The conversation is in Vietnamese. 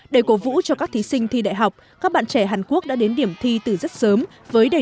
để cổ vũ cho các thí sinh thi đại học các bạn trẻ hàn quốc đã đến điểm thi từ rất sớm với đầy